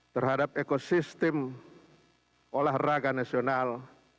terhadap ekosistem olahraga nasional